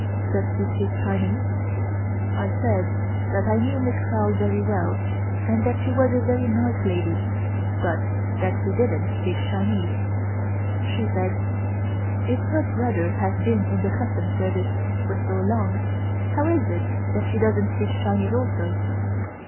Does she speak Chinese?" I said that I knew Miss Carl very well, and that she was a very nice lady, but that she didn't speak Chinese. She said: "If her brother has been in the Customs service for so long, how is it that she doesn't speak Chinese also?"